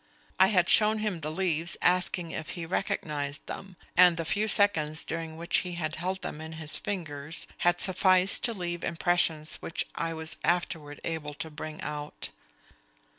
I had shown him the leaves, asking if he recognized them; and the few seconds during which he had held them in his fingers had sufficed to leave impressions which I was afterward able to bring out.